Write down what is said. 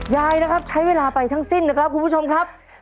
ยายนะครับใช้เวลาไปทั้งสิ้นนะครับคุณผู้ชมครับ